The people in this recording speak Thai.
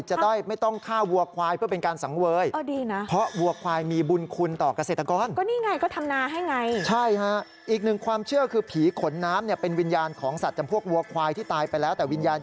จะได้ไม่ต้องฆ่าวัวควายเพื่อเป็นการสังเวยมีบุญคุณ